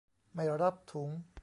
ไม่รับถุง